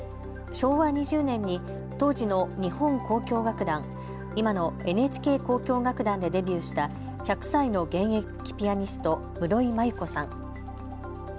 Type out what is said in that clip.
昭和２０年に当時の日本交響楽団、今のＮＨＫ交響楽団でデビューした１００歳の現役ピアニスト室井摩耶子さん。